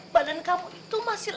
badan kamu itu masih